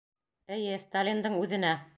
— Эйе, Сталиндың үҙенә.